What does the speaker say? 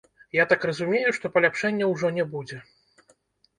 Я так разумею, што паляпшэнняў ўжо не будзе.